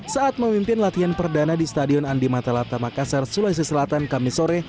saat memimpin latihan perdana di stadion andi matalata makassar sulawesi selatan kamisore